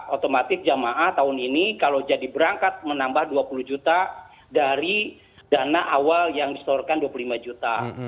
otomatis jamaah tahun ini kalau jadi berangkat menambah dua puluh juta dari dana awal yang diseluruhkan dua puluh lima juta